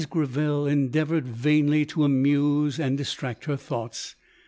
22.°> Mrs. Greville endeavoured vainly to amuse and distract her thoughts.